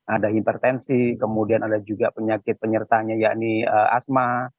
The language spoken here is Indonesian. ada hipertensi kemudian ada juga penyakit penyertanya yakni asma